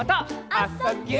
「あ・そ・ぎゅ」